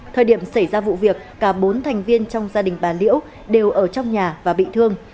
thời điểm xảy ra vụ việc cả bốn thành viên trong gia đình bà liễu đều ở trong nhà và bị thương